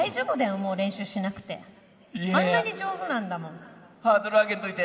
あんなに上手なんだもん。